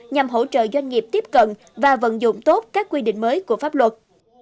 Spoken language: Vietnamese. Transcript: nhằm hỗ trợ doanh nghiệp tiếp cận và vận dụng tốt các quy định mới của pháp luật